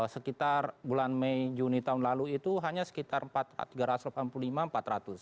sekitar bulan mei juni tahun lalu itu hanya sekitar tiga ratus delapan puluh lima empat ratus